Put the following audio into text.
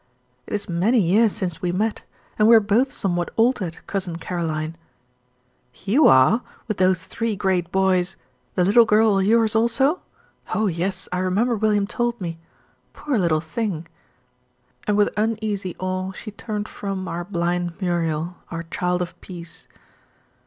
"It is many years since we met; and we are both somewhat altered, Cousin Caroline." "You are, with those three great boys. The little girl yours also? Oh yes, I remember William told me poor little thing!" And with uneasy awe she turned from our blind Muriel, our child of peace.